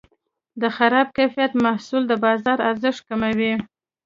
د خراب کیفیت محصول د بازار ارزښت کموي.